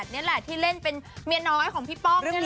นี่แหละที่เล่นเป็นเมียน้อยของพี่ป้องนี่แหละ